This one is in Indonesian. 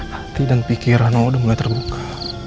hati dan pikiranmu udah terbuka